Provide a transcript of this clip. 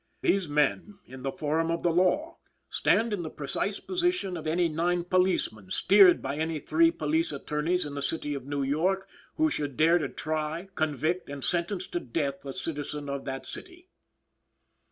These men, in the forum of the law, stand in the precise position of any nine policemen steered by any three police attorneys in the city of New York, who should dare to try, convict and sentence to death a citizen of that city.